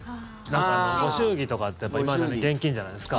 ご祝儀とかっていまだに現金じゃないですか。